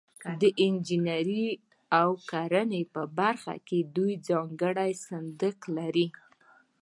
د انجنیري او کرنې په برخه کې دوی ځانګړی صندوق لري.